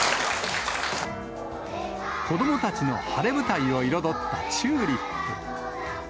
子どもたちの晴れ舞台を彩ったチューリップ。